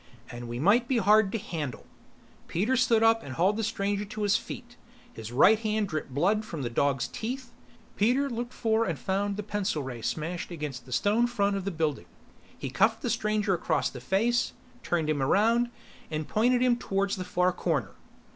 And we might be hard to handle." Peter stood up and hauled the stranger to his feet. His right hand dripped blood from the dog's teeth. Peter looked for, and found the pencil ray smashed against the stone front of the building. He cuffed the stranger across the face, turned him around, and pointed him toward the far corner.